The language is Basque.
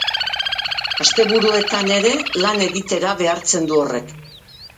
Asteburuetan ere lan egitera behartzen du horrek.